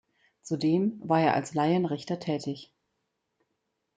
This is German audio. Zudem war er als Laienrichter tätig.